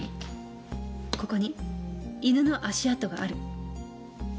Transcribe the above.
ここに犬の足跡がある。